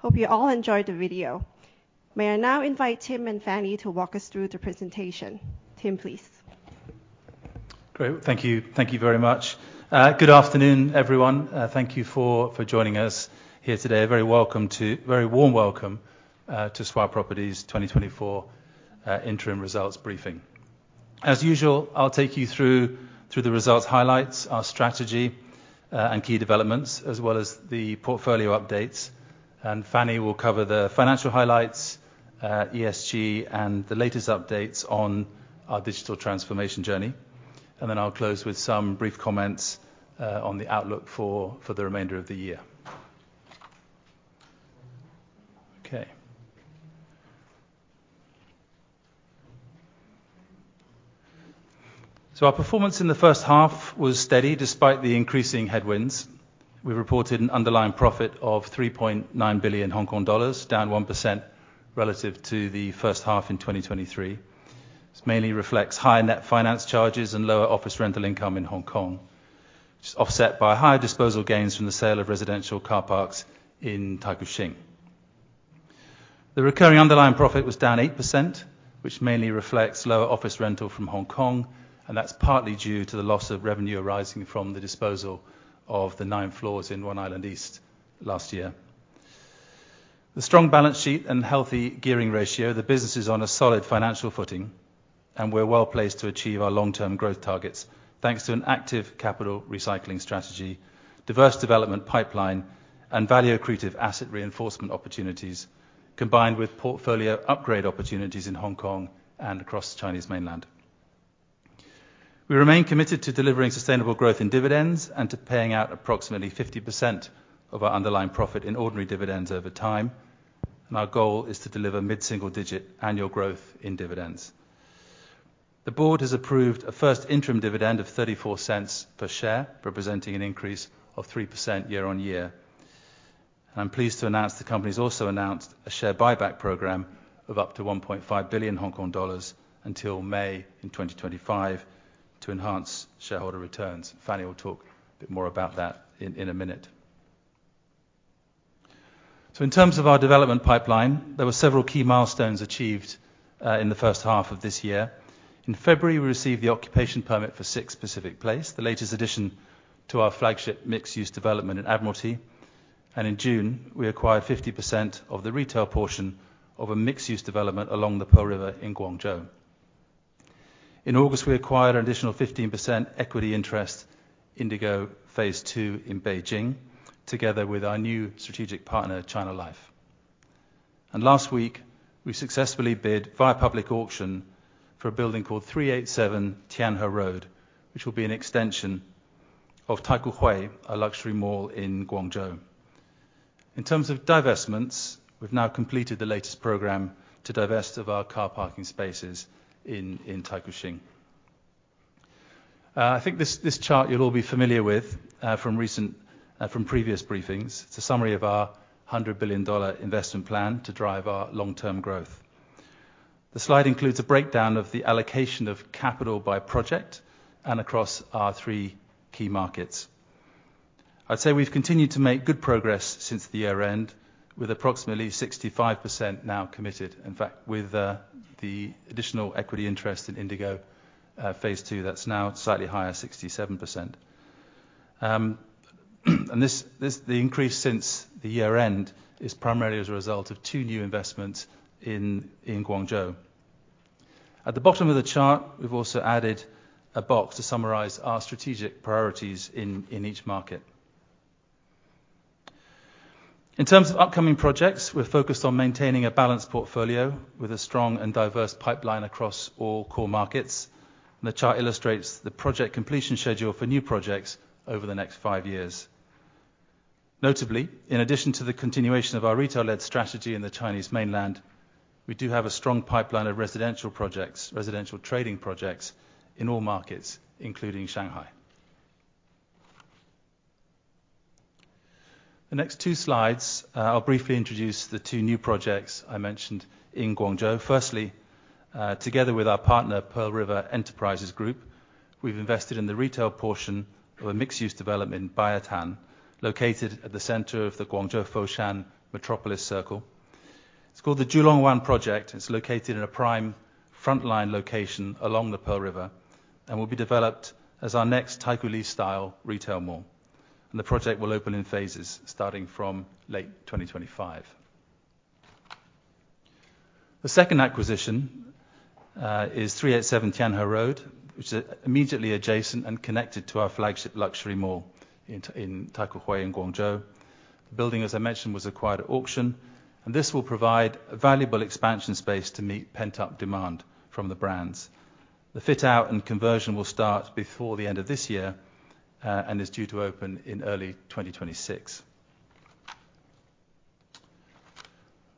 Hope you all enjoyed the video. May I now invite Tim and Fanny to walk us through the presentation? Tim, please. Great. Thank you. Thank you very much. Good afternoon, everyone. Thank you for joining us here today. A very warm welcome to Swire Properties' 2024 Interim Results Briefing. As usual, I'll take you through the results highlights, our strategy, and key developments, as well as the portfolio updates. And Fanny will cover the financial highlights, ESG, and the latest updates on our digital transformation journey, and then I'll close with some brief comments on the outlook for the remainder of the year. Okay. So our performance in the first half was steady despite the increasing headwinds. We reported an underlying profit of 3.9 billion Hong Kong dollars, down 1% relative to the first half in 2023. This mainly reflects high net finance charges and lower office rental income in Hong Kong, which is offset by higher disposal gains from the sale of residential car parks in Taikoo Shing. The recurring underlying profit was down 8%, which mainly reflects lower office rental from Hong Kong, and that's partly due to the loss of revenue arising from the disposal of the nine floors in One Island East last year. The strong balance sheet and healthy gearing ratio, the business is on a solid financial footing, and we're well-placed to achieve our long-term growth targets, thanks to an active capital recycling strategy, diverse development pipeline, and value-accretive asset reinforcement opportunities, combined with portfolio upgrade opportunities in Hong Kong and across Chinese mainland. We remain committed to delivering sustainable growth in dividends and to paying out approximately 50% of our underlying profit in ordinary dividends over time, and our goal is to deliver mid-single-digit annual growth in dividends. The board has approved a first interim dividend of HK$0.34 per share, representing an increase of 3% year-on-year. I'm pleased to announce the company has also announced a share buyback program of up to HK$1.5 billion until May 2025 to enhance shareholder returns. Fanny will talk a bit more about that in a minute. In terms of our development pipeline, there were several key milestones achieved in the first half of this year. In February, we received the occupation permit for Six Pacific Place, the latest addition to our flagship mixed-use development in Admiralty. In June, we acquired 50% of the retail portion of a mixed-use development along the Pearl River in Guangzhou. In August, we acquired an additional 15% equity interest in Indigo Phase Two in Beijing, together with our new strategic partner, China Life. And last week, we successfully bid via public auction for a building called Three Eight Seven Tianhe Road, which will be an extension of Taikoo Hui, our luxury mall in Guangzhou. In terms of divestments, we've now completed the latest program to divest of our car parking spaces in Taikoo Shing. I think this chart you'll all be familiar with from previous briefings. It's a summary of our 100 billion dollar investment plan to drive our long-term growth. The slide includes a breakdown of the allocation of capital by project and across our three key markets. I'd say we've continued to make good progress since the year end, with approximately 65% now committed. In fact, with the additional equity interest in Indigo Phase Two, that's now slightly higher, 67%. And this, the increase since the year-end is primarily as a result of two new investments in Guangzhou. At the bottom of the chart, we've also added a box to summarize our strategic priorities in each market. In terms of upcoming projects, we're focused on maintaining a balanced portfolio with a strong and diverse pipeline across all core markets. And the chart illustrates the project completion schedule for new projects over the next five years. Notably, in addition to the continuation of our retail strategy in the Chinese mainland, we do have a strong pipeline of residential projects, residential trading projects in all markets, including Shanghai. The next two slides, I'll briefly introduce the two new projects I mentioned in Guangzhou. Firstly, together with our partner, Pearl River Enterprises Group, we've invested in the retail portion of a mixed-use development in Baietan, located at the center of the Guangzhou-Foshan Metropolis Circle. It's called the Julongwan Project, and it's located in a prime frontline location along the Pearl River and will be developed as our next Taikoo Li style retail mall, and the project will open in phases starting from late 2025. The second acquisition is 387 Tianhe Road, which is immediately adjacent and connected to our flagship luxury mall in Taikoo Hui, in Guangzhou. The building, as I mentioned, was acquired at auction, and this will provide a valuable expansion space to meet pent-up demand from the brands. The fit-out and conversion will start before the end of this year, and is due to open in early 2026.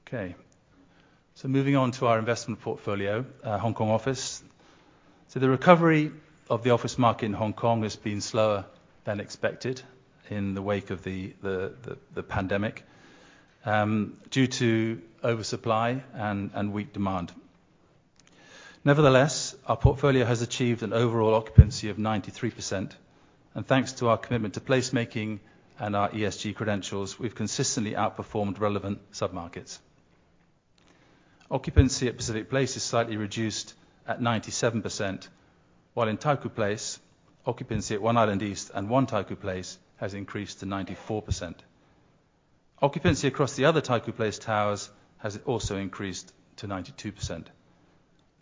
Okay, so moving on to our investment portfolio, Hong Kong office. The recovery of the office market in Hong Kong has been slower than expected in the wake of the pandemic, due to oversupply and weak demand. Nevertheless, our portfolio has achieved an overall occupancy of 93%, and thanks to our commitment to placemaking and our ESG credentials, we've consistently outperformed relevant submarkets. Occupancy at Pacific Place is slightly reduced at 97%, while in Taikoo Place, occupancy at One Island East and One Taikoo Place has increased to 94%. Occupancy across the other Taikoo Place towers has also increased to 92%,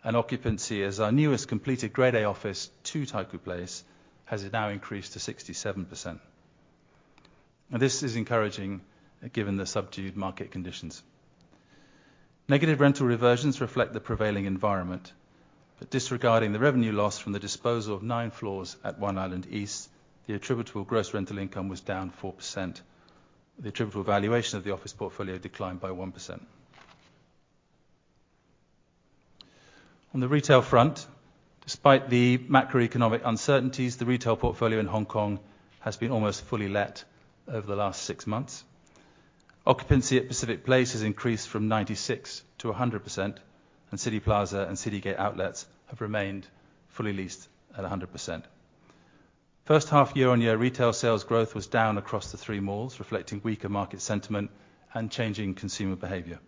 and occupancy at our newest completed Grade A office, Two Taikoo Place, has now increased to 67%. Now, this is encouraging, given the subdued market conditions. Negative rental reversions reflect the prevailing environment, but disregarding the revenue loss from the disposal of 9 floors at One Island East, the attributable gross rental income was down 4%. The attributable valuation of the office portfolio declined by 1%. On the retail front, despite the macroeconomic uncertainties, the retail portfolio in Hong Kong has been almost fully let over the last 6 months. Occupancy at Pacific Place has increased from 96% to 100%, and Cityplaza and Citygate Outlets have remained fully leased at 100%. First half year-on-year retail sales growth was down across the three malls, reflecting weaker market sentiment and changing consumer behavior,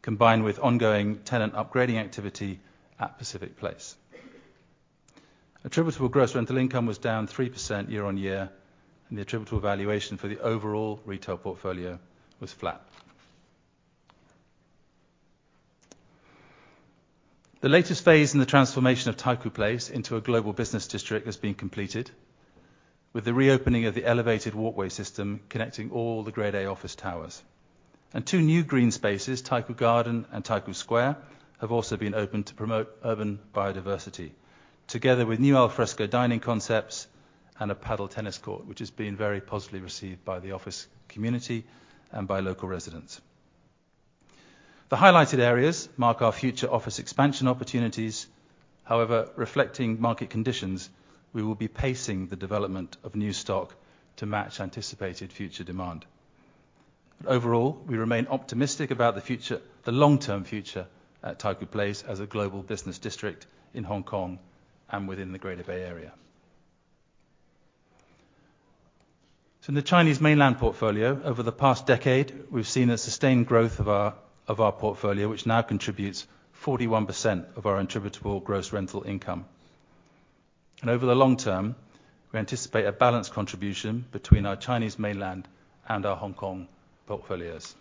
combined with ongoing tenant upgrading activity at Pacific Place. Attributable gross rental income was down 3% year-on-year, and the attributable valuation for the overall retail portfolio was flat. The latest phase in the transformation of Taikoo Place into a global business district has been completed, with the reopening of the elevated walkway system connecting all the Grade A office towers. Two new green spaces, Taikoo Garden and Taikoo Square, have also been opened to promote urban biodiversity, together with new al fresco dining concepts and a Padel tennis court, which has been very positively received by the office community and by local residents. The highlighted areas mark our future office expansion opportunities. However, reflecting market conditions, we will be pacing the development of new stock to match anticipated future demand. Overall, we remain optimistic about the future, the long-term future at Taikoo Place as a global business district in Hong Kong and within the Greater Bay Area. So in the Chinese mainland portfolio, over the past decade, we've seen a sustained growth of our portfolio, which now contributes 41% of our attributable gross rental income. Over the long term, we anticipate a balanced contribution between our Chinese mainland and our Hong Kong portfolios.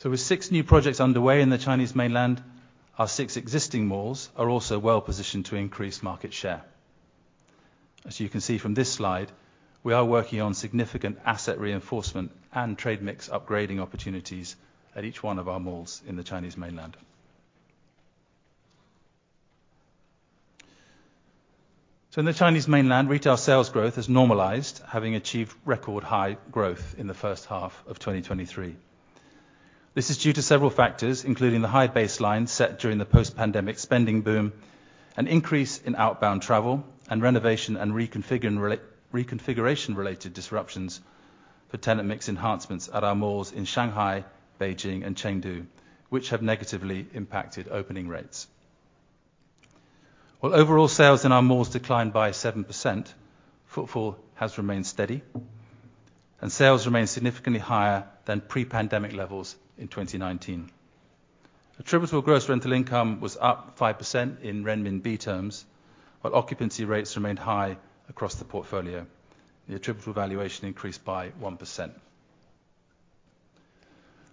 So with 6 new projects underway in the Chinese mainland, our 6 existing malls are also well positioned to increase market share. As you can see from this slide, we are working on significant asset reinforcement and trade mix upgrading opportunities at each one of our malls in the Chinese mainland. In the Chinese mainland, retail sales growth has normalized, having achieved record high growth in the first half of 2023. This is due to several factors, including the high baseline set during the post-pandemic spending boom, an increase in outbound travel, and renovation and reconfiguring reconfiguration-related disruptions for tenant mix enhancements at our malls in Shanghai, Beijing, and Chengdu, which have negatively impacted opening rates. While overall sales in our malls declined by 7%, footfall has remained steady, and sales remain significantly higher than pre-pandemic levels in 2019. Attributable gross rental income was up 5% in renminbi terms, while occupancy rates remained high across the portfolio. The attributable valuation increased by 1%.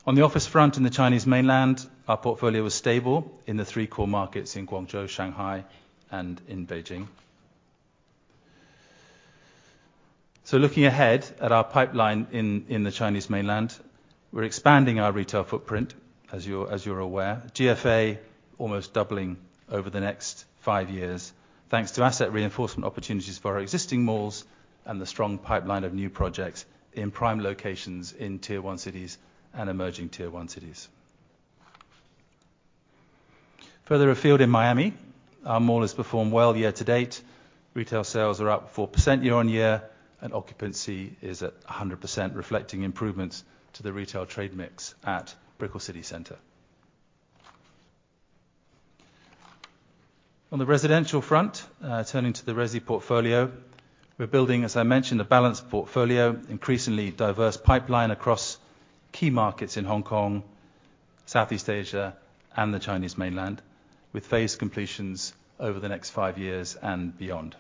On the office front in the Chinese mainland, our portfolio was stable in the three core markets in Guangzhou, Shanghai, and in Beijing. So looking ahead at our pipeline in the Chinese mainland, we're expanding our retail footprint, as you're aware. GFA almost doubling over the next five years, thanks to asset reinforcement opportunities for our existing malls and the strong pipeline of new projects in prime locations in Tier One cities and emerging Tier One cities. Further afield in Miami, our mall has performed well year to date. Retail sales are up 4% year-on-year, and occupancy is at 100%, reflecting improvements to the retail trade mix at Brickell City Centre. On the residential front, turning to the resi portfolio, we're building, as I mentioned, a balanced portfolio, increasingly diverse pipeline across key markets in Hong Kong, Southeast Asia, and the Chinese mainland, with phased completions over the next five years and beyond.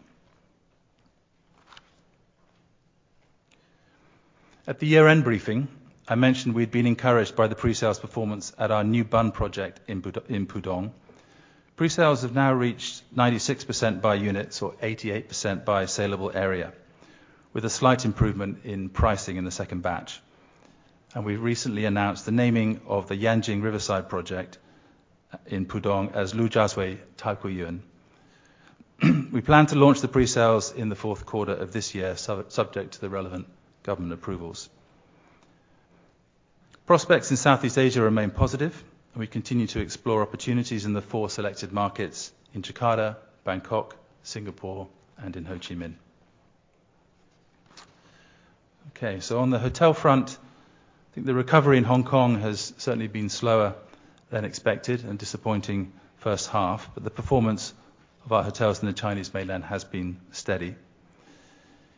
At the year-end briefing, I mentioned we'd been encouraged by the pre-sales performance at our New Bund project in Pudong. Pre-sales have now reached 96% by units or 88% by saleable area, with a slight improvement in pricing in the second batch. We recently announced the naming of the Yangjing Riverside project in Pudong as Lujiazui Taikoo Yuan. We plan to launch the pre-sales in the fourth quarter of this year, subject to the relevant government approvals. Prospects in Southeast Asia remain positive, and we continue to explore opportunities in the four selected markets in Jakarta, Bangkok, Singapore, and in Ho Chi Minh. Okay, so on the hotel front, I think the recovery in Hong Kong has certainly been slower than expected and disappointing first half, but the performance of our hotels in the Chinese mainland has been steady.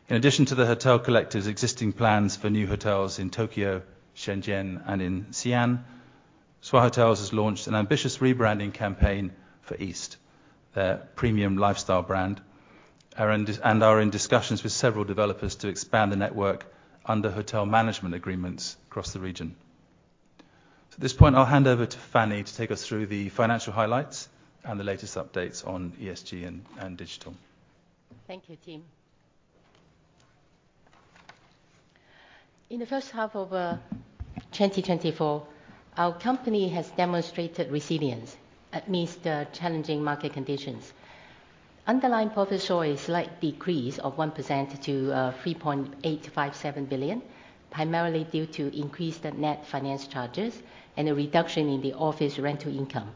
In addition to Swire Hotels' existing plans for new hotels in Tokyo, Shenzhen, and in Xi'an, Swire Hotels has launched an ambitious rebranding campaign for EAST, their premium lifestyle brand, and are in discussions with several developers to expand the network under hotel management agreements across the region. So at this point, I'll hand over to Fanny to take us through the financial highlights and the latest updates on ESG and digital. Thank you, Tim. In the first half of 2024, our company has demonstrated resilience amidst challenging market conditions. Underlying profit showed a slight decrease of 1% to 3.857 billion, primarily due to increased net finance charges and a reduction in the office rental income,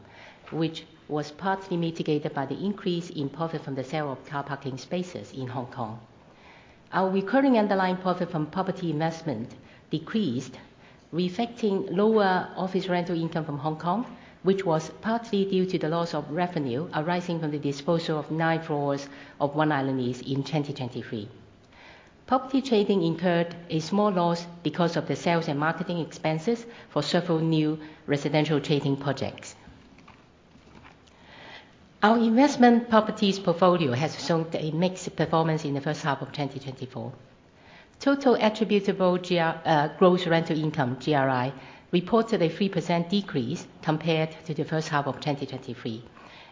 which was partly mitigated by the increase in profit from the sale of car parking spaces in Hong Kong. Our recurring underlying profit from property investment decreased, reflecting lower office rental income from Hong Kong, which was partly due to the loss of revenue arising from the disposal of nine floors of One Island East in 2023. Property trading incurred a small loss because of the sales and marketing expenses for several new residential trading projects. Our investment properties portfolio has shown a mixed performance in the first half of 2024. Total attributable gross rental income, GRI, reported a 3% decrease compared to the first half of 2023,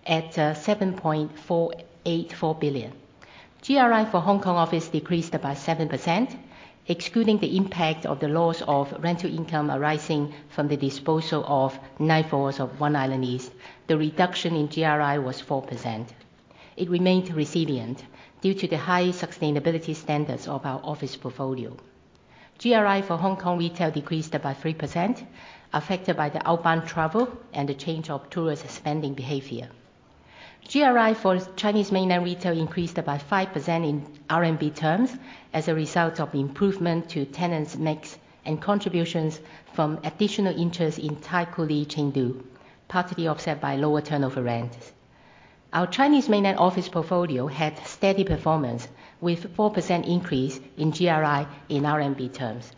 at 7.484 billion. GRI for Hong Kong office decreased by 7%, excluding the impact of the loss of rental income arising from the disposal of nine floors of One Island East. The reduction in GRI was 4%. It remained resilient due to the high sustainability standards of our office portfolio. GRI for Hong Kong retail decreased by 3%, affected by the outbound travel and the change of tourists' spending behavior. GRI for Chinese mainland retail increased by 5% in RMB terms as a result of improvement to tenants' mix and contributions from additional interest in Taikoo Li, Chengdu, partly offset by lower turnover rents. Our Chinese mainland office portfolio had steady performance, with 4% increase in GRI in RMB terms.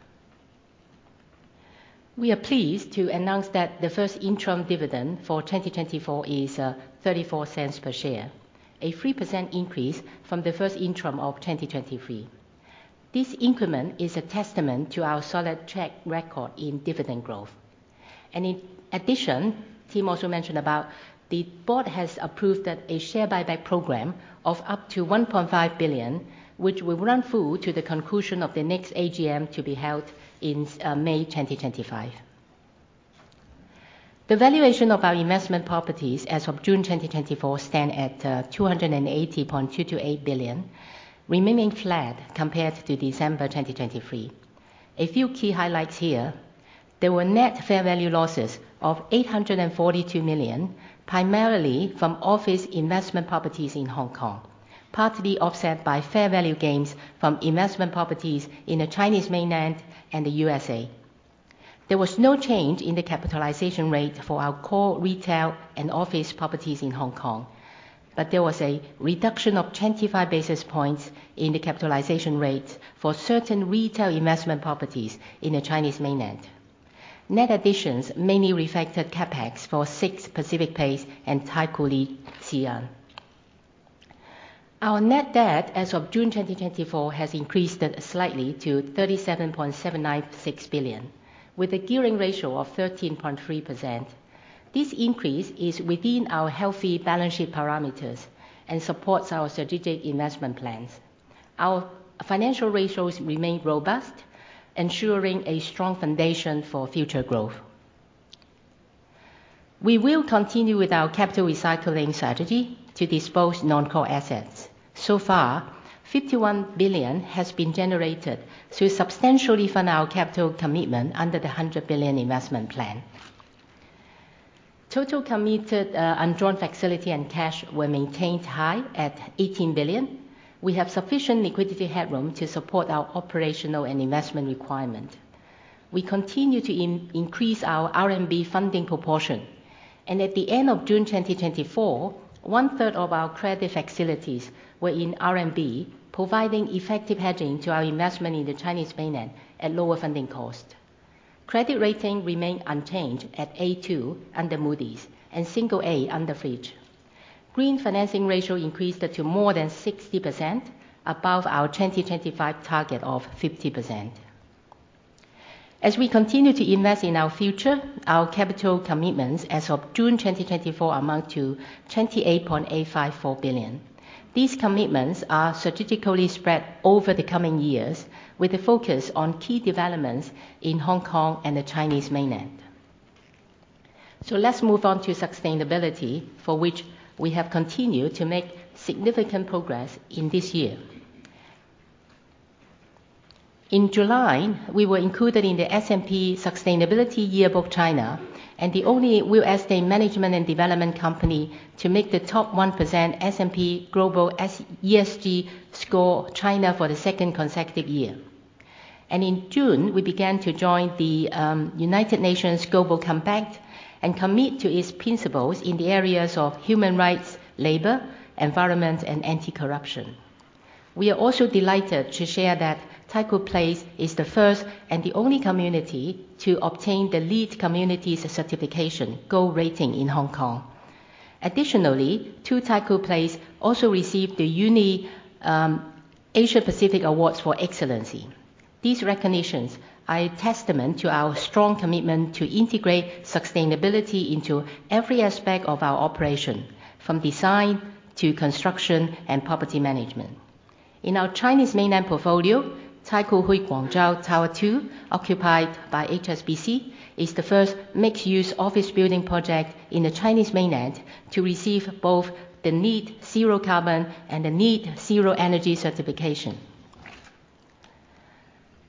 We are pleased to announce that the first interim dividend for 2024 is, 34 cents per share, a 3% increase from the first interim of 2023. This increment is a testament to our solid track record in dividend growth. In addition, Tim also mentioned about the board has approved that a share buyback program of up to 1.5 billion, which will run full to the conclusion of the next AGM to be held in, May 2025. The valuation of our investment properties as of June 2024, stand at, 280.228 billion, remaining flat compared to December 2023. A few key highlights here. There were net fair value losses of 842 million, primarily from office investment properties in Hong Kong, partly offset by fair value gains from investment properties in the Chinese mainland and the USA. There was no change in the capitalization rate for our core retail and office properties in Hong Kong, but there was a reduction of 25 basis points in the capitalization rate for certain retail investment properties in the Chinese mainland. Net additions mainly reflected CapEx for Six Pacific Place and Taikoo Li Sanlitun. Our net debt as of June 2024 has increased slightly to 37.796 billion, with a gearing ratio of 13.3%. This increase is within our healthy balance sheet parameters and supports our strategic investment plans. Our financial ratios remain robust, ensuring a strong foundation for future growth. We will continue with our capital recycling strategy to dispose non-core assets. So far, 51 billion has been generated to substantially fund our capital commitment under the 100 billion investment plan. Total committed, undrawn facility and cash were maintained high at 18 billion. We have sufficient liquidity headroom to support our operational and investment requirement. We continue to increase our RMB funding proportion. And at the end of June 2024, one-third of our credit facilities were in RMB, providing effective hedging to our investment in the Chinese mainland at lower funding cost. Credit rating remained unchanged at A2 under Moody's and single A under Fitch. Green financing ratio increased to more than 60%, above our 2025 target of 50%. As we continue to invest in our future, our capital commitments as of June 2024, amount to 28.854 billion. These commitments are strategically spread over the coming years, with a focus on key developments in Hong Kong and the Chinese mainland. So let's move on to sustainability, for which we have continued to make significant progress in this year. In July, we were included in the S&P Sustainability Yearbook China, and the only real estate management and development company to make the top 1% S&P Global ESG Score China for the second consecutive year. In June, we began to join the United Nations Global Compact and commit to its principles in the areas of human rights, labor, environment, and anti-corruption. We are also delighted to share that Taikoo Place is the first and the only community to obtain the LEED Community Certification Gold rating in Hong Kong. Additionally, Two Taikoo Place also received the ULI Asia Pacific Awards for Excellence. These recognitions are a testament to our strong commitment to integrate sustainability into every aspect of our operation, from design to construction and property management. In our Chinese mainland portfolio, Taikoo Hui Guangzhou Tower Two, occupied by HSBC, is the first mixed-use office building project in the Chinese mainland to receive both the LEED Zero Carbon and the LEED Zero Energy certification.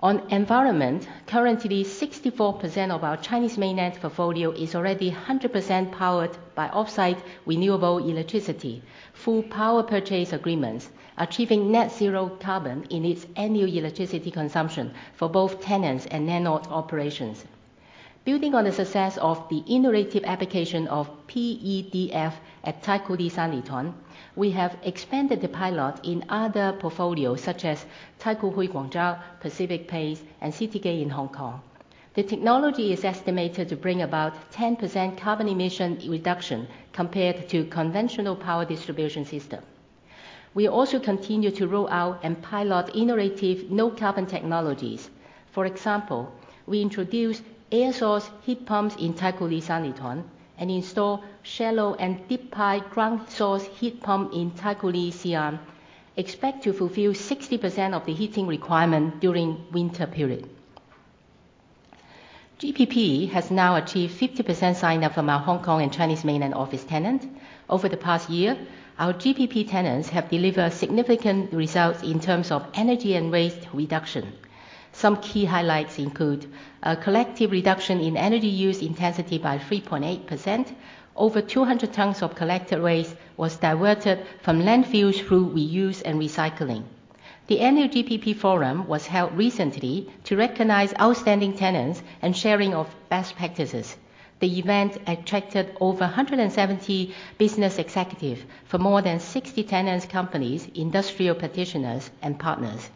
On environment, currently, 64% of our Chinese mainland portfolio is already 100% powered by off-site renewable electricity, full power purchase agreements, achieving net zero carbon in its annual electricity consumption for both tenants and landlord operations. Building on the success of the innovative application of PEDF at Taikoo Li Sanlitun, we have expanded the pilot in other portfolios, such as Taikoo Hui Guangzhou, Pacific Place, and Citygate in Hong Kong. The technology is estimated to bring about 10% carbon emission reduction compared to conventional power distribution system. We also continue to roll out and pilot innovative no-carbon technologies. For example, we introduced air source heat pumps in Taikoo Li Sanlitun, and install shallow and deep-pile ground source heat pump in Taikoo Li Xi'an, expect to fulfill 60% of the heating requirement during winter period. GPP has now achieved 50% sign-up from our Hong Kong and Chinese mainland office tenant. Over the past year, our GPP tenants have delivered significant results in terms of energy and waste reduction. Some key highlights include a collective reduction in energy use intensity by 3.8%. Over 200 tons of collected waste was diverted from landfills through reuse and recycling. The annual GPP forum was held recently to recognize outstanding tenants and sharing of best practices. The event attracted over 170 business executives for more than 60 tenants companies, industrial practitioners, and partners.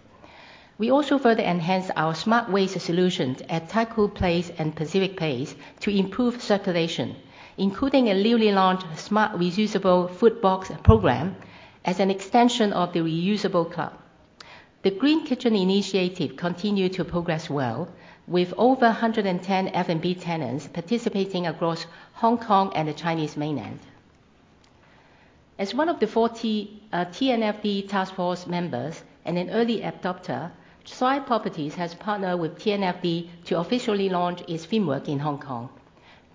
We also further enhanced our smart waste solutions at Taikoo Place and Pacific Place to improve circulation, including a newly launched smart reusable food box program as an extension of the Reusable Club. The Green Kitchen Initiative continued to progress well, with over 110 F&B tenants participating across Hong Kong and the Chinese mainland. As one of the 40 TNFD task force members and an early adopter, Swire Properties has partnered with TNFD to officially launch its framework in Hong Kong.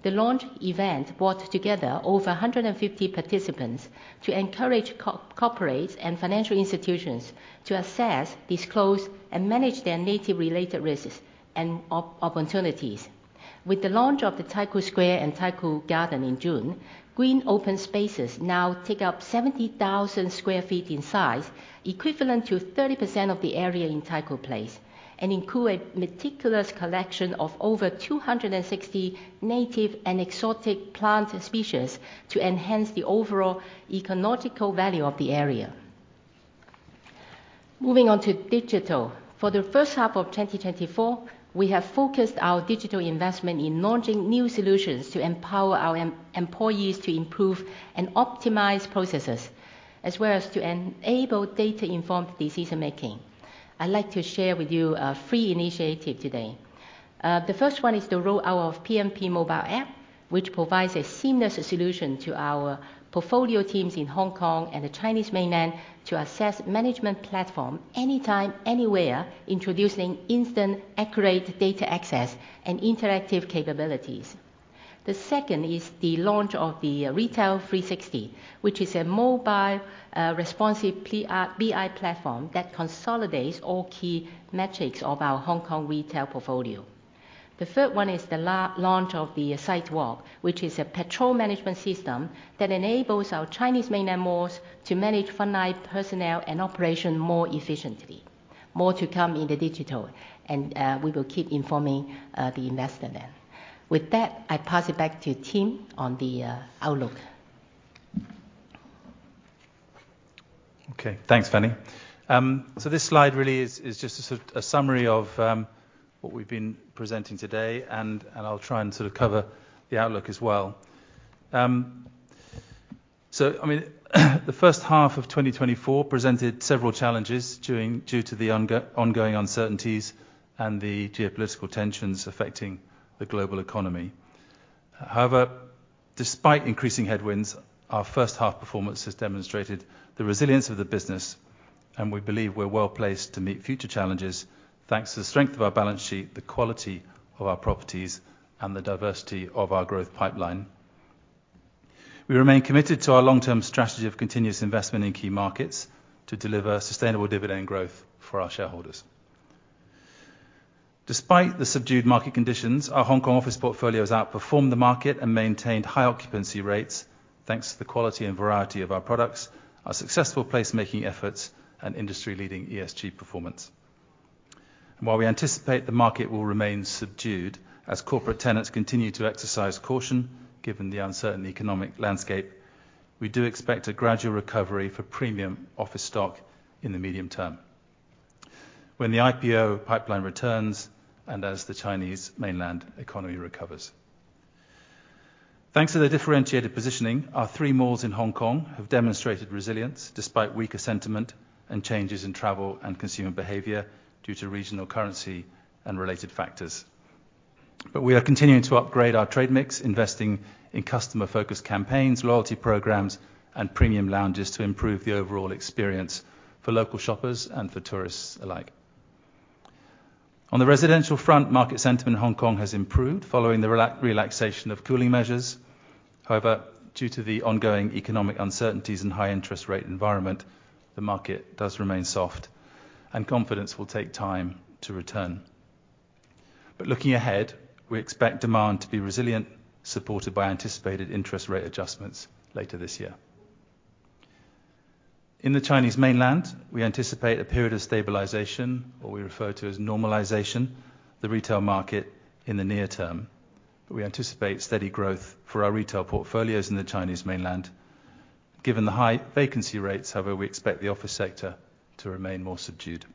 The launch event brought together over 150 participants to encourage corporates and financial institutions to assess, disclose, and manage their nature-related risks and opportunities. With the launch of the Taikoo Square and Taikoo Garden in June, green open spaces now take up 70,000 sq ft in size, equivalent to 30% of the area in Taikoo Place, and include a meticulous collection of over 260 native and exotic plant species to enhance the overall ecologimical value of the area. Moving on to digital. For the first half of 2024, we have focused our digital investment in launching new solutions to empower our employees to improve and optimize processes, as well as to enable data-informed decision making. I'd like to share with you three initiatives today. The first one is the roll out of PMP mobile app, which provides a seamless solution to our portfolio teams in Hong Kong and the Chinese mainland to access management platform anytime, anywhere, introducing instant, accurate data access and interactive capabilities. The second is the launch of the Retail 360, which is a mobile responsive BI platform that consolidates all key metrics of our Hong Kong retail portfolio. The third one is the launch of the Site Walk, which is a patrol management system that enables our Chinese mainland malls to manage frontline personnel and operation more efficiently. More to come in the digital, and we will keep informing the investor then. With that, I pass it back to Tim on the outlook. Okay. Thanks, Fanny. So this slide really is just a sort of a summary of what we've been presenting today, and I'll try and sort of cover the outlook as well. So I mean, the first half of 2024 presented several challenges due to the ongoing uncertainties and the geopolitical tensions affecting the global economy. However, despite increasing headwinds, our first half performance has demonstrated the resilience of the business, and we believe we're well-placed to meet future challenges, thanks to the strength of our balance sheet, the quality of our properties, and the diversity of our growth pipeline. We remain committed to our long-term strategy of continuous investment in key markets to deliver sustainable dividend growth for our shareholders. Despite the subdued market conditions, our Hong Kong office portfolios outperformed the market and maintained high occupancy rates, thanks to the quality and variety of our products, our successful placemaking efforts, and industry-leading ESG performance. While we anticipate the market will remain subdued as corporate tenants continue to exercise caution, given the uncertain economic landscape, we do expect a gradual recovery for premium office stock in the medium term when the IPO pipeline returns and as the Chinese mainland economy recovers. Thanks to the differentiated positioning, our three malls in Hong Kong have demonstrated resilience despite weaker sentiment and changes in travel and consumer behavior due to regional currency and related factors. We are continuing to upgrade our trade mix, investing in customer-focused campaigns, loyalty programs, and premium lounges to improve the overall experience for local shoppers and for tourists alike. On the residential front, market sentiment in Hong Kong has improved following the relaxation of cooling measures. However, due to the ongoing economic uncertainties and high interest rate environment, the market does remain soft and confidence will take time to return. But looking ahead, we expect demand to be resilient, supported by anticipated interest rate adjustments later this year. In the Chinese mainland, we anticipate a period of stabilization or we refer to as normalization, the retail market in the near term. But we anticipate steady growth for our retail portfolios in the Chinese mainland. Given the high vacancy rates, however, we expect the office sector to remain more subdued.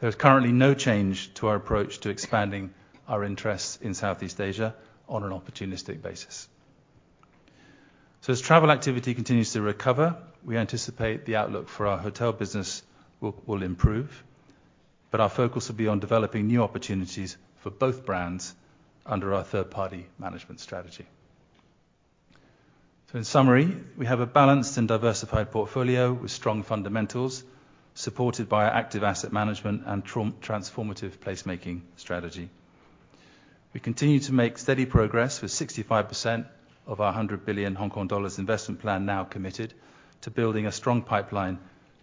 There is currently no change to our approach to expanding our interests in Southeast Asia on an opportunistic basis. So as travel activity continues to recover, we anticipate the outlook for our hotel business will improve, but our focus will be on developing new opportunities for both brands under our third-party management strategy. So in summary, we have a balanced and diversified portfolio with strong fundamentals, supported by our active asset management and transformative placemaking strategy. We continue to make steady progress with 65% of our 100 billion Hong Kong dollars investment plan now committed to building a strong pipeline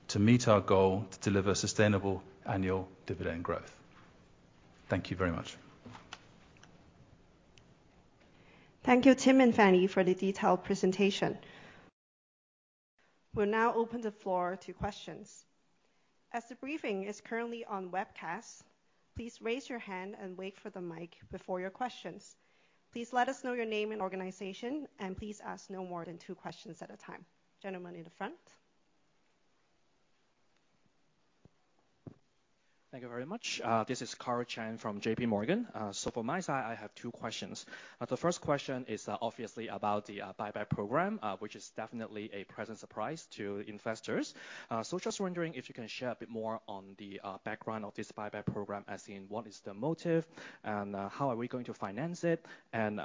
to meet our goal to deliver sustainable annual dividend growth. Thank you very much. Thank you, Tim and Fanny, for the detailed presentation. We'll now open the floor to questions. As the briefing is currently on webcast, please raise your hand and wait for the mic before your questions. Please let us know your name and organization, and please ask no more than two questions at a time. Gentleman in the front? Thank you very much. This is Karl Chan from JP Morgan. So from my side, I have two questions. The first question is, obviously about the buyback program, which is definitely a pleasant surprise to investors. So just wondering if you can share a bit more on the background of this buyback program, as in what is the motive, and how are we going to finance it? And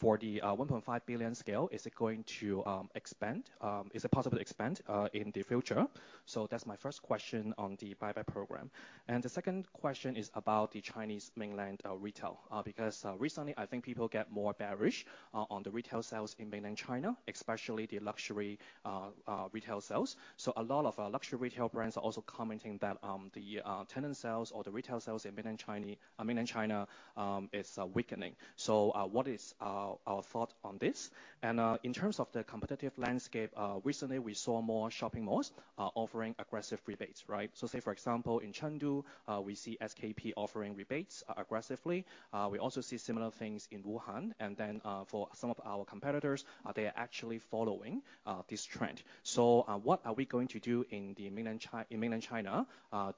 for the 1.5 billion scale, is it going to expand? Is it possible to expand in the future? So that's my first question on the buyback program. And the second question is about the Chinese mainland retail. Because recently I think people get more bearish on the retail sales in mainland China, especially the luxury retail sales. So a lot of luxury retail brands are also commenting that the tenant sales or the retail sales in mainland Chinese- mainland China is weakening. So what is our our thought on this? And in terms of the competitive landscape, recently we saw more shopping malls offering aggressive rebates, right? So say, for example, in Chengdu, we see SKP offering rebates aggressively. We also see similar things in Wuhan. And then for some of our competitors, they are actually following this trend. So what are we going to do in mainland Chi- in mainland China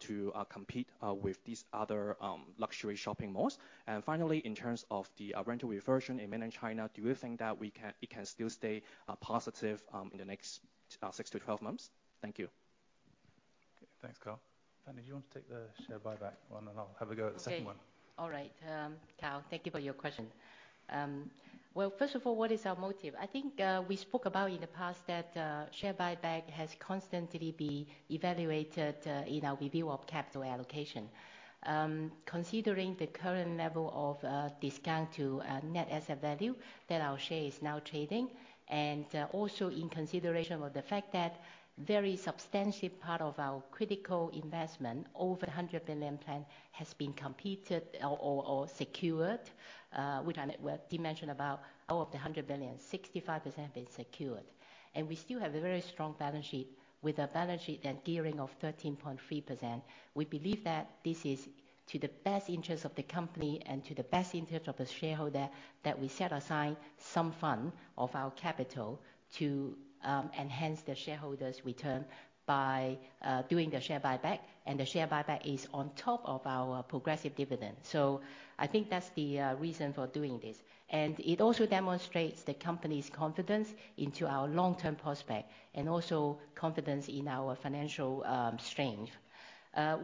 to compete with these other luxury shopping malls? Finally, in terms of the rental reversion in mainland China, do we think that we can, it can still stay positive in the next 6-12 months? Thank you. Thanks, Karl. Fanny, do you want to take the share buyback one, and I'll have a go at the second one? Okay. All right, Karl, thank you for your question. Well, first of all, what is our motive? I think, we spoke about in the past that, share buyback has constantly be evaluated, in our review of capital allocation. Considering the current level of, discount to, net asset value that our share is now trading, and, also in consideration of the fact that very substantive part of our critical investment, over the 100 billion plan, has been completed or secured, which, Tim mentioned about out of the 100 billion, 65% have been secured. And we still have a very strong balance sheet. With a balance sheet and gearing of 13.3%, we believe that this is to the best interest of the company and to the best interest of the shareholder, that we set aside some fund of our capital to enhance the shareholders' return by doing the share buyback, and the share buyback is on top of our progressive dividend. So I think that's the reason for doing this. And it also demonstrates the company's confidence into our long-term prospect and also confidence in our financial strength.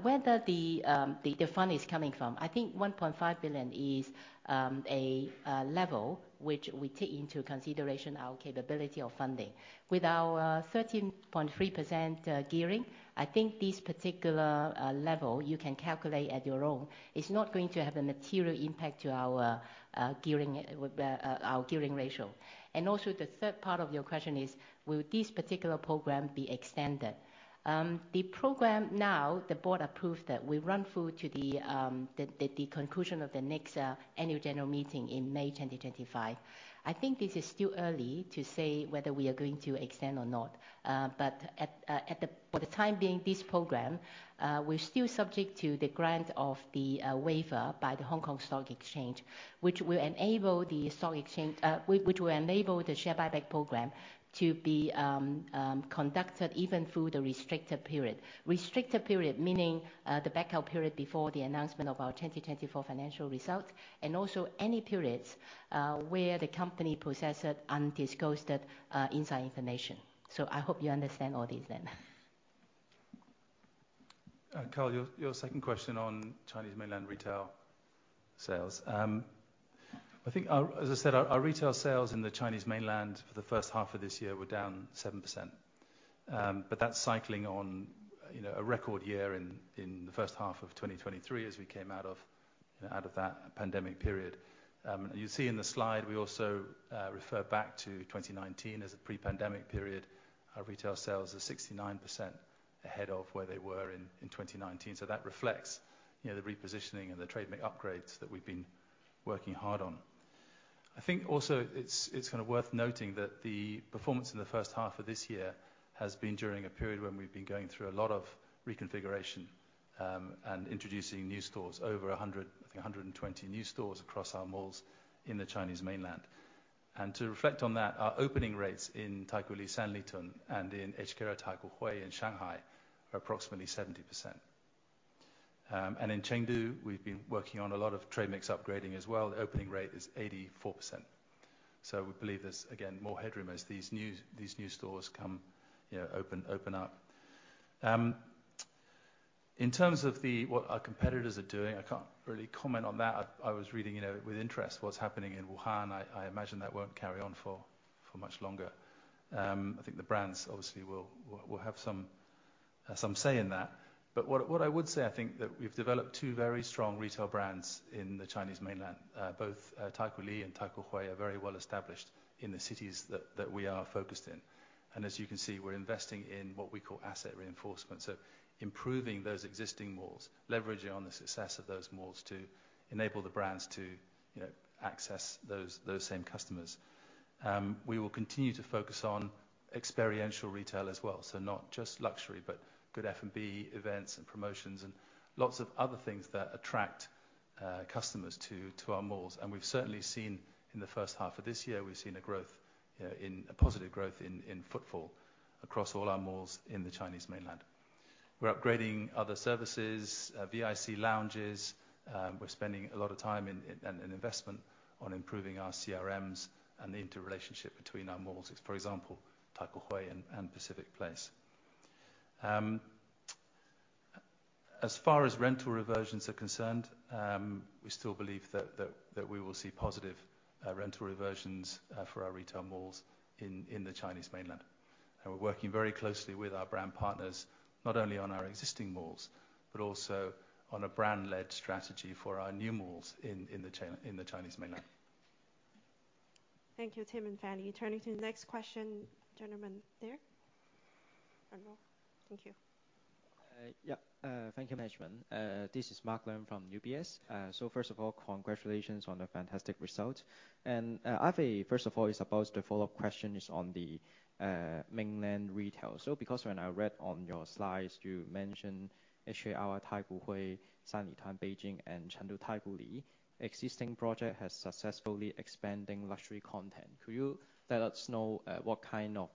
Whether the fund is coming from, I think 1.5 billion is a level which we take into consideration our capability of funding. With our 13.3% gearing, I think this particular level you can calculate on your own is not going to have a material impact to our gearing, our gearing ratio. And also, the third part of your question is, will this particular program be extended? The program now, the board approved that we run through to the conclusion of the next annual general meeting in May 2025. I think this is still early to say whether we are going to extend or not. But at the, for the time being, this program, we're still subject to the grant of the waiver by the Hong Kong Stock Exchange, which will enable the share buyback program to be conducted even through the restricted period. Restricted period, meaning the blackout period before the announcement of our 2024 financial results, and also any periods where the company possesses undisclosed inside information. So I hope you understand all this then. Karl, your second question on Chinese mainland retail sales. I think our, as I said, our retail sales in the Chinese mainland for the first half of this year were down 7%. But that's cycling on, you know, a record year in the first half of 2023, as we came out of that pandemic period. You see in the slide, we also refer back to 2019 as a pre-pandemic period. Our retail sales are 69% ahead of where they were in 2019. So that reflects, you know, the repositioning and the trade mix upgrades that we've been working hard on. I think also it's kind of worth noting that the performance in the first half of this year has been during a period when we've been going through a lot of reconfiguration, and introducing new stores, over a hundred, I think 120 new stores across our malls in the Chinese mainland. And to reflect on that, our opening rates in Taikoo Li Sanlitun and in HKRI Taikoo Hui in Shanghai are approximately 70%. And in Chengdu, we've been working on a lot of trade mix upgrading as well. The opening rate is 84%. So we believe there's, again, more headroom as these new stores come, you know, open up. In terms of what our competitors are doing, I can't really comment on that. I was reading, you know, with interest what's happening in Wuhan. I imagine that won't carry on for much longer. I think the brands obviously will have some say in that. But what I would say, I think that we've developed two very strong retail brands in the Chinese mainland. Both Taikoo Li and Taikoo Hui are very well established in the cities that we are focused in. And as you can see, we're investing in what we call asset reinforcement, so improving those existing malls, leveraging on the success of those malls to enable the brands to, you know, access those same customers. We will continue to focus on experiential retail as well, so not just luxury, but good F&B events and promotions, and lots of other things that attract customers to our malls. And we've certainly seen in the first half of this year, we've seen a growth, a positive growth in footfall across all our malls in the Chinese mainland. We're upgrading other services, VIC lounges. We're spending a lot of time and investment on improving our CRMs and the interrelationship between our malls. For example, Taikoo Hui and Pacific Place. As far as rental reversions are concerned, we still believe that we will see positive rental reversions for our retail malls in the Chinese mainland. And we're working very closely with our brand partners, not only on our existing malls, but also on a brand-led strategy for our new malls in the Chinese mainland. Thank you, Tim and Fanny. Turning to the next question. Gentleman there. I don't know. Thank you. Yeah, thank you, Management. This is Mark Leung from UBS. So first of all, congratulations on the fantastic result. And, I think first of all, it's about the follow-up question is on the mainland retail. So because when I read on your slides, you mentioned HKRI Taikoo Hui, Sanlitun, Beijing and Chengdu Taikoo Li, existing project has successfully expanding luxury content. Could you let us know what kind of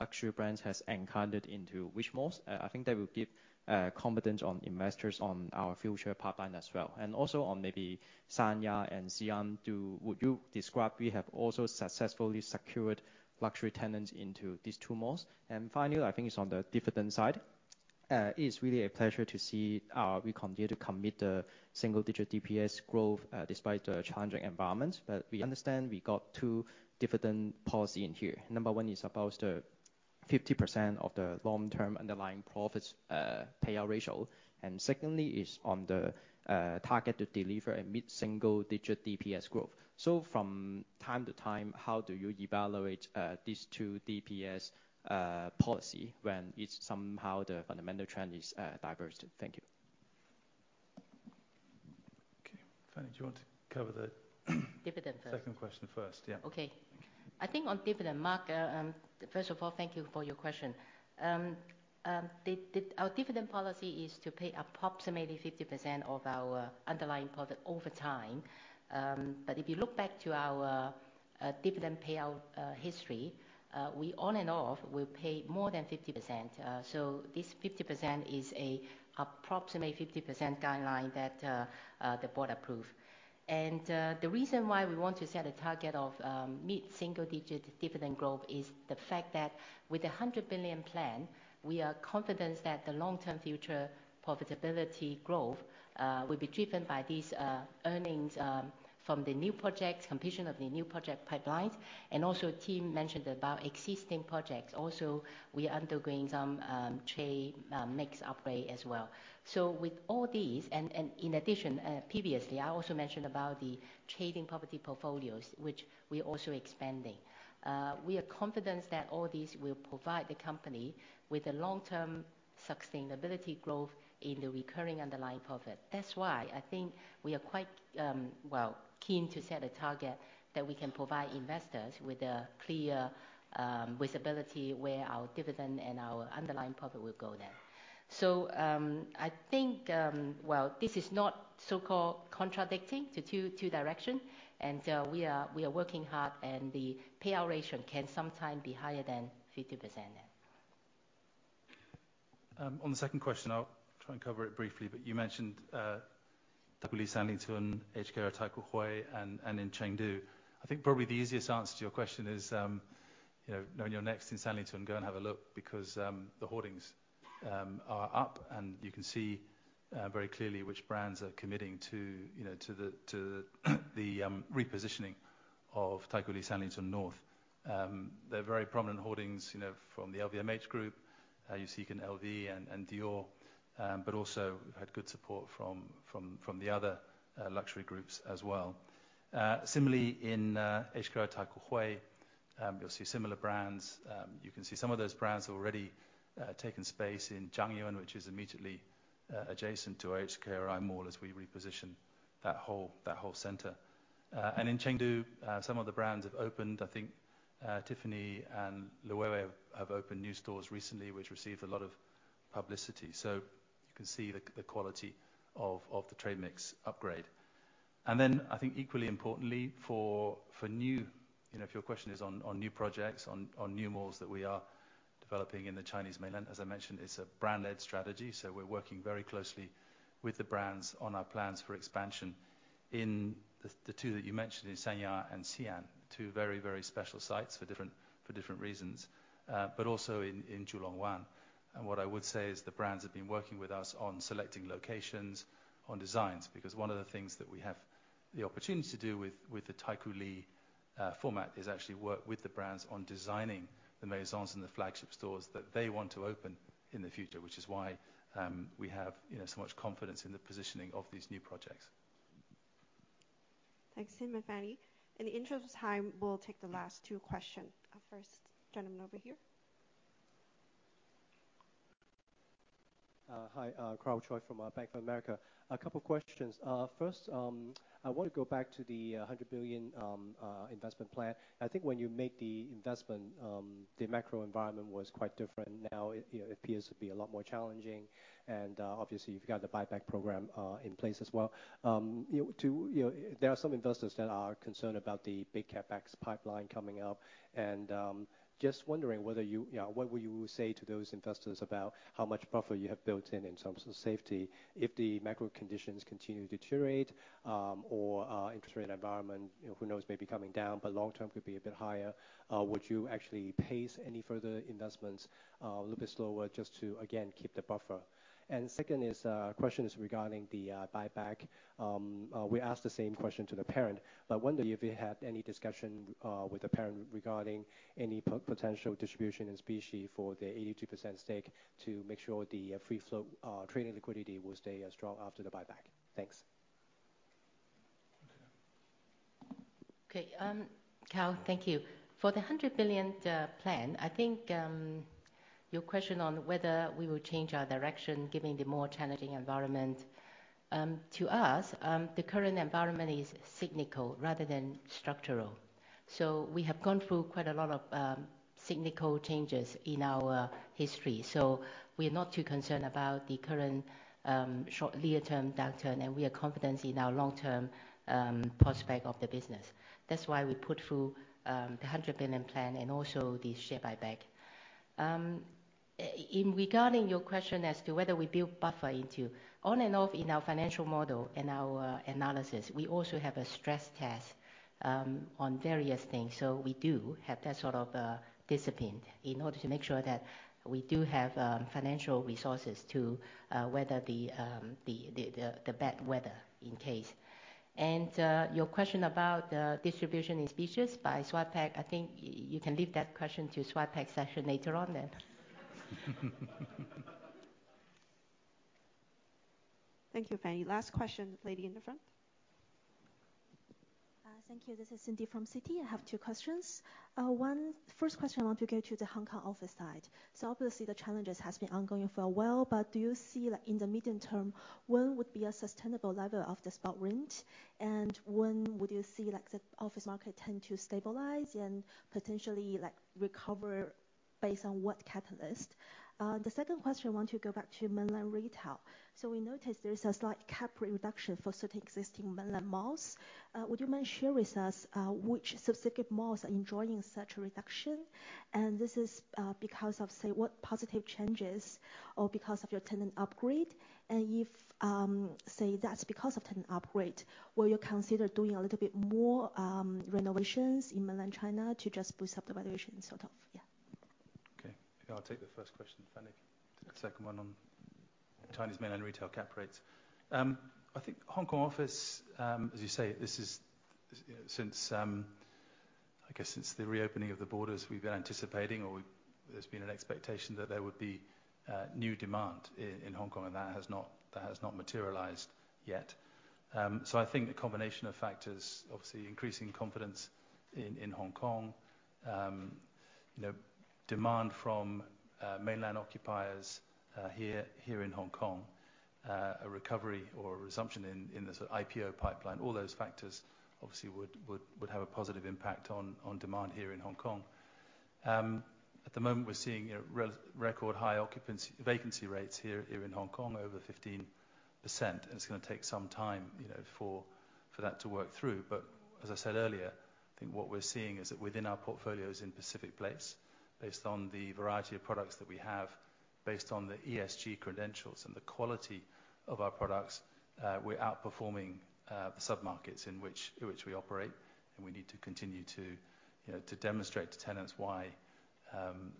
luxury brands has anchored into which malls? I think that will give confidence on investors on our future pipeline as well. And also on maybe Sanya and Xi'an, would you describe we have also successfully secured luxury tenants into these two malls? And finally, I think it's on the dividend side. It is really a pleasure to see we continue to commit single digit DPS growth despite the challenging environment. But we understand we got two dividend policy in here. Number one is supposed to 50% of the long-term underlying profits payout ratio, and secondly, is on the target to deliver a mid-single digit DPS growth. So from time to time, how do you evaluate these two DPS policy when it's somehow the fundamental trend is diverged? Thank you. Okay, Fanny, do you want to cover the. Dividend first. Second question first, yeah. Okay. I think on dividend, Mark, first of all, thank you for your question. Our dividend policy is to pay approximately 50% of our underlying profit over time. But if you look back to our dividend payout history, we on and off will pay more than 50%. So this 50% is an approximate 50% guideline that the board approved. And the reason why we want to set a target of mid-single-digit dividend growth is the fact that with the 100 billion plan, we are confident that the long-term future profitability growth will be driven by these earnings from the new projects, completion of the new project pipelines, and also Tim mentioned about existing projects. Also, we are undergoing some trade mix upgrade as well. So with all these, and in addition, previously, I also mentioned about the trading property portfolios, which we're also expanding. We are confident that all these will provide the company with a long-term sustainability growth in the recurring underlying profit. That's why I think we are quite, well, keen to set a target that we can provide investors with a clear visibility, where our dividend and our underlying profit will go then. So, I think, well, this is not so-called contradicting the two directions, and we are working hard and the payout ratio can sometimes be higher than 50%. On the second question, I'll try and cover it briefly, but you mentioned Taikoo Li Sanlitun, HK Taikoo Hui, and in Chengdu. I think probably the easiest answer to your question is, you know, knowing you're next in Sanlitun, go and have a look, because the hoardings are up, and you can see very clearly which brands are committing to, you know, to the repositioning of Taikoo Li Sanlitun North. They're very prominent hoardings, you know, from the LVMH group, you see in LV and Dior, but also we've had good support from the other luxury groups as well. Similarly, in HK Taikoo Hui, you'll see similar brands. You can see some of those brands already taking space in Zhangyuan, which is immediately adjacent to our HKRI mall, as we reposition that whole, that whole center. And in Chengdu, some of the brands have opened, I think, Tiffany and Loewe have opened new stores recently, which received a lot of publicity. So you can see the quality of the trade mix upgrade. And then, I think equally importantly, for new- you know, if your question is on new projects, on new malls that we are developing in the Chinese mainland, as I mentioned, it's a brand-led strategy, so we're working very closely with the brands on our plans for expansion. In the two that you mentioned, in Sanya and Xi'an, two very, very special sites for different reasons, but also in Julongwan. And what I would say is the brands have been working with us on selecting locations, on designs, because one of the things that we have the opportunity to do with the Taikoo Li format is actually work with the brands on designing the maisons and the flagship stores that they want to open in the future, which is why we have, you know, so much confidence in the positioning of these new projects. Thanks, Tim and Fanny. In the interest of time, we'll take the last two questions. First gentleman over here. Hi, Karl Choi from Bank of America. A couple questions. First, I want to go back to the 100 billion investment plan. I think when you make the investment, the macro environment was quite different, now, it, you know, it appears to be a lot more challenging and, obviously you've got the buyback program in place as well. You know, to, you know, there are some investors that are concerned about the big CapEx pipeline coming up, and, just wondering whether you. Yeah, what would you say to those investors about how much buffer you have built in, in terms of safety, if the macro conditions continue to deteriorate, or interest rate environment, you know, who knows, may be coming down, but long term could be a bit higher, would you actually pace any further investments a little bit slower, just to, again, keep the buffer? And second is, question is regarding the buyback. We asked the same question to the parent, but I wonder if you had any discussion with the parent regarding any potential distribution in specie for the 82% stake, to make sure the free float trading liquidity will stay strong after the buyback. Thanks. Okay, Karl, thank you. For the 100 billion plan, I think your question on whether we will change our direction, given the more challenging environment, to us, the current environment is cyclical rather than structural. So we have gone through quite a lot of cyclical changes in our history, so we're not too concerned about the current shorter-term downturn, and we are confident in our long-term prospect of the business. That's why we put through the 100 billion plan and also the share buyback. In regarding your question as to whether we build buffer into on and off in our financial model and our analysis, we also have a stress test on various things. So we do have that sort of discipline in order to make sure that we do have financial resources to weather the bad weather in case. And your question about the distribution in species by Swirepac, I think you can leave that question to Swirepac's session later on then. Thank you, Fanny. Last question, the lady in the front. Thank you. This is Cindy from Citi. I have two questions. One, first question, I want to go to the Hong Kong office side. So obviously, the challenges has been ongoing for a while, but do you see, like, in the medium term, when would be a sustainable level of the spot rent? And when would you see, like, the office market tend to stabilize and potentially, like, recover, based on what catalyst? The second question, I want to go back to mainland retail. So we noticed there is a slight cap reduction for certain existing mainland malls. Would you mind sharing with us, which specific malls are enjoying such a reduction? This is, because of, say, what positive changes or because of your tenant upgrade, and if, say, that's because of tenant upgrade, will you consider doing a little bit more renovations in mainland China to just boost up the valuation, sort of? I'll take the first question, Fanny. The second one on Chinese mainland retail cap rates. I think Hong Kong office, as you say, this is, you know, since I guess since the reopening of the borders, we've been anticipating or there's been an expectation that there would be new demand in Hong Kong, and that has not materialized yet. So I think the combination of factors, obviously increasing confidence in Hong Kong, you know, demand from mainland occupiers here in Hong Kong, a recovery or a resumption in the sort of IPO pipeline, all those factors obviously would have a positive impact on demand here in Hong Kong. At the moment, we're seeing, you know, record high vacancy rates here in Hong Kong, over 15%, and it's gonna take some time, you know, for that to work through. But as I said earlier, I think what we're seeing is that within our portfolios in Pacific Place, based on the variety of products that we have, based on the ESG credentials and the quality of our products, we're outperforming the submarkets in which we operate. And we need to continue to, you know, to demonstrate to tenants why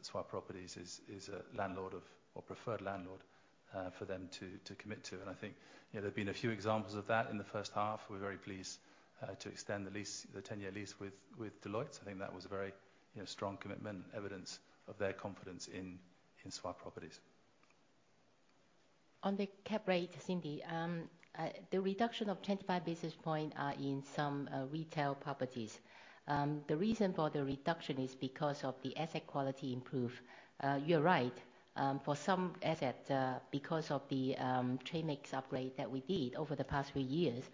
Swire Properties is a landlord of or preferred landlord for them to commit to. And I think, you know, there have been a few examples of that in the first half. We're very pleased to extend the lease, the 10-year lease with Deloitte. I think that was a very, you know, strong commitment and evidence of their confidence in, in Swire Properties. On the cap rate, Cindy, the reduction of 25 basis point are in some retail properties. The reason for the reduction is because of the asset quality improve. You're right, for some asset, because of the trade mix upgrade that we did over the past few years,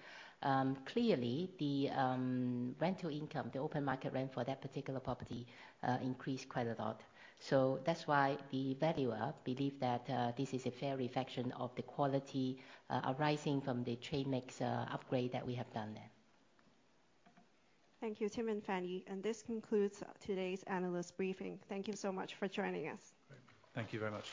clearly, the rental income, the open market rent for that particular property, increased quite a lot. So that's why the valuer believe that, this is a fair reflection of the quality, arising from the trade mix upgrade that we have done there. Thank you, Tim and Fanny. This concludes today's analyst briefing. Thank you so much for joining us. Thank you very much.